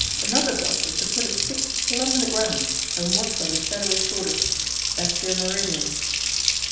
Another dodge is to put a stick plumb in the ground and watch when the shadow is shortest; that's your meridian."